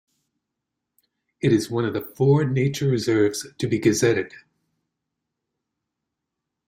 It is one of the four nature reserves to be gazetted.